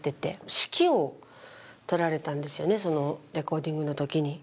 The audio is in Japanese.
指揮をとられたんですよね、そのレコーディングのときに。